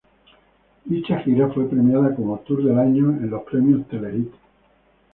Dicha gira fue premiada como "Tour del año" en los premios Telehit.